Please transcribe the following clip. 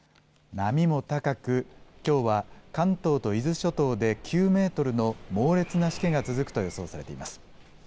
波も高く、きょうは関東と伊豆諸島で９メートルの猛烈なしけが続くと予想されています。